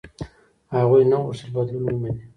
هغوی نه غوښتل بدلون ومني.